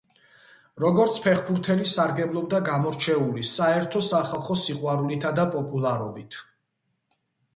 როგორც ფეხბურთელი სარგებლობდა გამორჩეული საერთო-სახალხო სიყვარულითა და პოპულარობით.